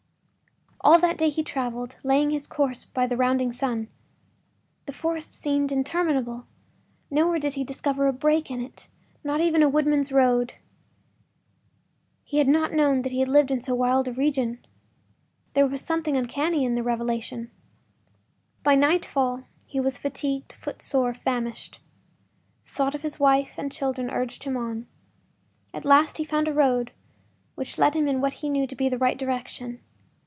All that day he traveled, laying his course by the rounding sun. The forest seemed interminable; nowhere did he discover a break in it, not even a woodman’s road. He had not known that he lived in so wild a region. There was something uncanny in the revelation. By nightfall he was fatigued, footsore, famished. The thought of his wife and children urged him on. At last he found a road which led him in what he knew to be the right direction.